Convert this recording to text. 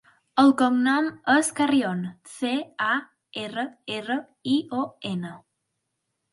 El cognom és Carrion: ce, a, erra, erra, i, o, ena.